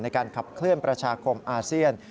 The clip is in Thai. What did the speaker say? ในการขับเคลื่อนประชาคมอาเซียน